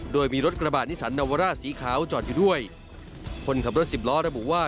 โดยมีรถกระบาดนิสันนาวาร่าสีขาวจอดอยู่ด้วยคนขับรถสิบล้อระบุว่า